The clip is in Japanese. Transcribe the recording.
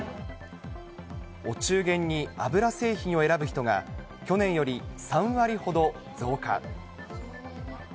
お中元に油製品を選ぶ人が、去年より３割ほど増加。